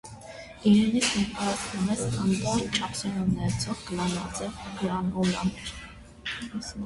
Իրենից ներկայացնում է ստանդարտ չափսեր ունեցող գլանաձև գրանուլաներ։